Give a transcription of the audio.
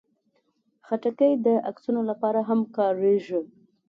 خټکی د عکسونو لپاره هم کارېږي.